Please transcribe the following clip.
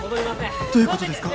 どういう事ですか？